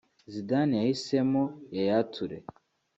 Zidane yahisemo Yaya Toure